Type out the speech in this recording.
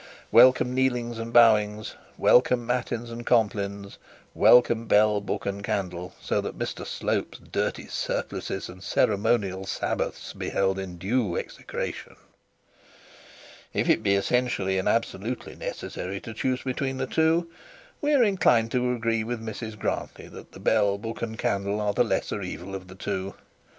Welcome kneelings and bowings, welcome matins and complines, welcome bell, book, and candle, so that Mr Slope's dirty surplices and ceremonial Sabbaths be held in due execration! If it be essentially and absolutely necessary to choose between the two, we are inclined to agree with Mrs Grantly that the bell, book, and candle are the lesser evil of the two.